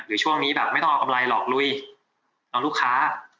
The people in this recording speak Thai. ช่วงนี้แบบไม่ต้องเอากำไรหรอกลุยเอาลูกค้า